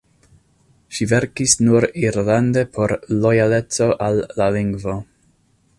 Ŝi verkis nur irlande por lojaleco al la lingvo.